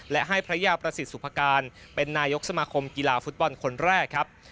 และให้พระยาประสิทธิ์สุภาการเป็นนายกสมาคมกีฬาฟุตบอลคนแรกครับ